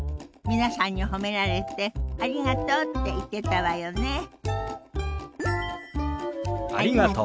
皆さんに褒められて「ありがとう」って言ってたわよね。